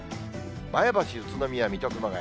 前橋、宇都宮、水戸、熊谷。